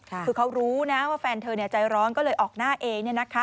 คือเขารู้นะว่าแฟนเธอใจร้อนก็เลยออกหน้าเอง